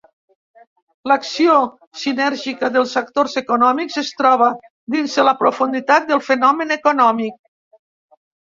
L'acció sinèrgica dels actors econòmics es troba dins de la profunditat del fenomen econòmic.